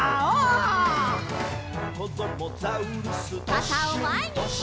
かたをまえに！